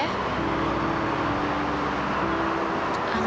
aku takut dia kenapa kenapa